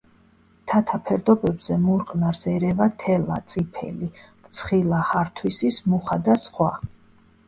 მთათა ფერდობებზე მურყნარს ერევა თელა, წიფელი, რცხილა, ჰართვისის მუხა და სხვა.